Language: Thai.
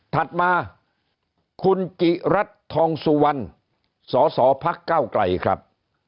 ถัดมาคุณจิรัตน์ทองสุวรรณสสพักเก้าไกลครับ